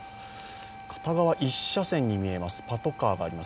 片側１車線に見えます、パトカーが見えます。